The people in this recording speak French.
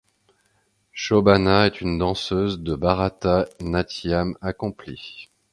Shobhana est une danseuse deBharata Natyam accomplie.